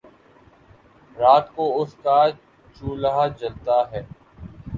رات کو اس کا چولہا جلتا ہے